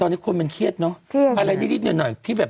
ไหนปุ่มห่องไปที่นาน